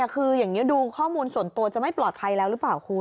คืออย่างนี้ดูข้อมูลส่วนตัวจะไม่ปลอดภัยแล้วหรือเปล่าคุณ